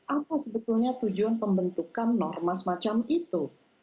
apa sebetulnya tujuan pembentukan norma semacam itu